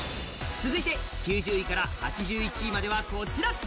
続いて９０位から８１位まではこちら。